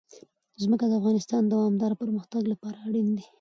ځمکه د افغانستان د دوامداره پرمختګ لپاره اړین دي.